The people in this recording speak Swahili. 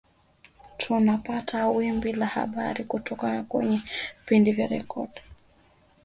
tunapata wimbi la habari kutoka kwenye vipindi vya redio